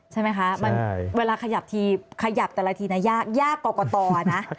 ใช่ไหมคะเวลาขยับทีขยับแต่ละทียากกรกตรนะ